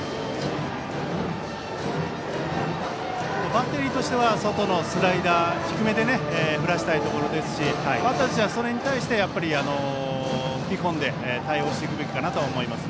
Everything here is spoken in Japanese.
バッテリーとしては外のスライダー低めで振らせたいですしバッターとしてはそれに対して踏み込んで対応していくべきかなと思います。